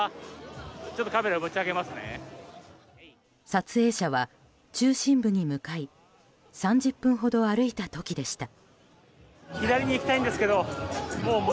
撮影者は中心部に向かい３０分ほど歩いた時でした。